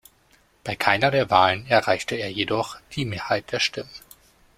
Bei keiner der Wahlen erreichte er jedoch die Mehrheit der Stimmen.